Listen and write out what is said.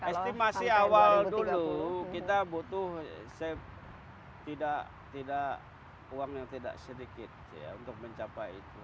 estimasi awal dulu kita butuh uang yang tidak sedikit untuk mencapai itu